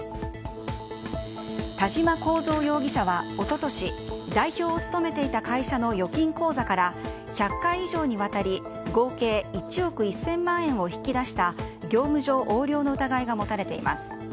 田嶋幸三容疑者は一昨年代表を務めていた会社の預金口座から１００回以上にわたり合計１億１０００万円を引き出した業務上横領の疑いが持たれています。